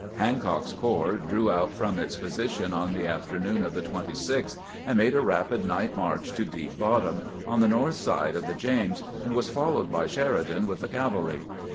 Hancock's corps drew out from its position on the afternoon of the 26th, and made a rapid night march to Deep Bottom, on the north side of the James, and was followed by Sheridan with the cavalry.